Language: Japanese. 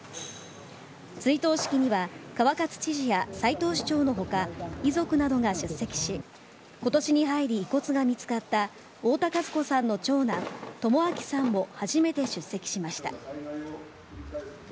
追悼式には、川勝知事や斉藤市長のほか、遺族などが出席し、ことしに入り遺骨が見つかった太田和子さんの長男、朋晃さんも初めて出席しました。